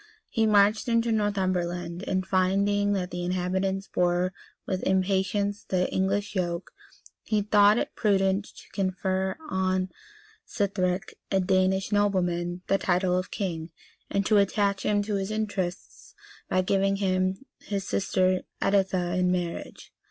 He marched into Northumberland; and, finding that the inhabitants bore with impatience the English yoke, he thought it prudent to confer on Sithric, a Danish nobleman, the title of king, and to attach him to his interests by giving him his sister Editha in marriage.